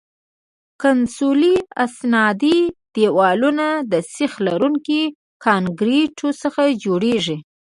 کنسولي استنادي دیوالونه د سیخ لرونکي کانکریټو څخه جوړیږي